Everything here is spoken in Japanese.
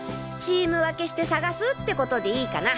チーム分けして探すって事でいいかな？